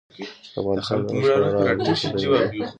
افغانستان د اوښ په اړه علمي څېړنې لري.